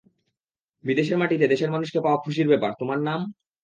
বিদেশের মাটিতে দেশের মানুষকে পাওয়া খুশির ব্যাপার - তোমার নাম?